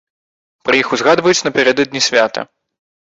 Пра іх узгадваюць напярэдадні свята.